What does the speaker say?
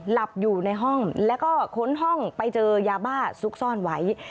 หลับอยู่ในห้องแล้วก็ค้นห้องไปเจอยาบ้าซุกซ่อนไว้